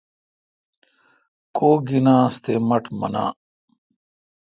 کوگینانس تے مٹھ مناں۔